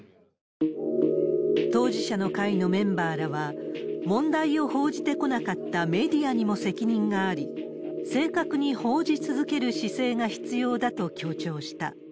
当事者の会のメンバーらは、問題を報じてこなかったメディアにも責任があり、正確に報じ続ける姿勢が必要だと強調した。